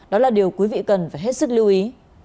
đó là điều quý vị cần phải hết sức lưu ý